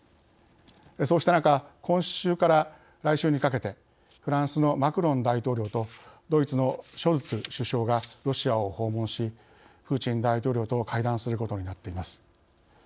そうした中今週から来週にかけてフランスのマクロン大統領とドイツのショルツ首相がロシアを訪問しプーチン大統領と会談することになっています。